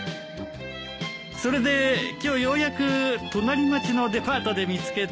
それで今日ようやく隣町のデパートで見つけて。